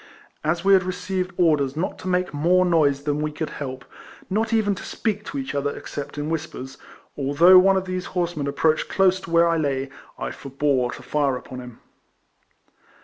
As we had received orders not to make more noise than we could help, not even to speak to each other, except in whispers, although one of these horsemen approached close to where I lay, I forebore to fire upon him.